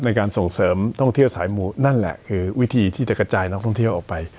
ในการส่งเสริมท่องเที่ยวสายหมู่นั่นแหละคือวิธีที่จะกระจายนักท่องเที่ยวออกไป